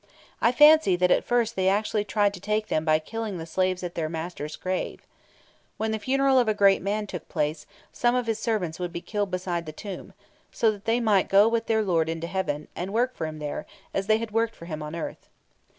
I fancy that at first they actually tried to take them by killing the slaves at their master's grave. When the funeral of a great man took place, some of his servants would be killed beside the tomb, so that they might go with their lord into heaven, and work for him there, as they had worked for him on earth.